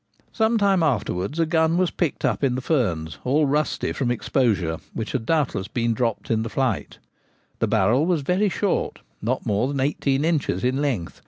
Some time afterwards a gun was picked up in the ferns, all rusty from exposure, which had doubtless been dropped in the flight The barrel was very short — not more than eighteen inches in length — o 2 196 The Gamekeeper at Home.